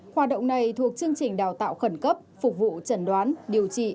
hoạt động này thuộc chương trình đào tạo khẩn cấp phục vụ chẩn đoán điều trị